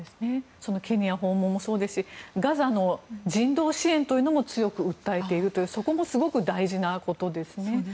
ケニア訪問もそうですしガザの人道支援というのも強く訴えているというそこもすごく大事なことですね。